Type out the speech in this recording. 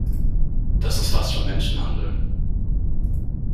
Das ist fast schon Menschenhandel.